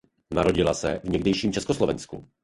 Narodila se v někdejším Československu.